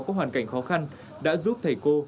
có hoàn cảnh khó khăn đã giúp thầy cô